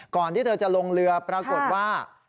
ก่อนที่เธอจะลงเรือปรากฏว่า